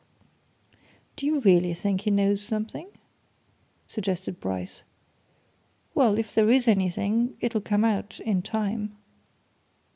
"You really think he knows something?" suggested Bryce. "Well if there is anything, it'll come out in time."